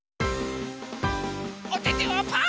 おててはパー。